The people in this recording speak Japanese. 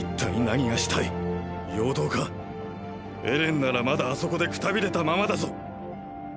エレンならまだあそこでくたびれたままだぞ？